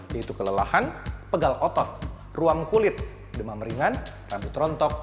yaitu kelelahan pegal otot ruam kulit demam ringan rambut rontok